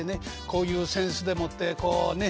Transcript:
こういう扇子でもってこうね